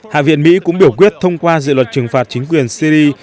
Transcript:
hạ viện mỹ cũng biểu quyết thông qua dự luật trừng phạt chính quyền syri